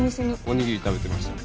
おにぎり食べてました。